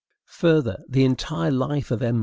Further, the entire life of M.